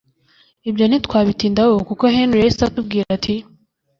ibyo ntitwabitindaho kuko Henry yahise atubwira ati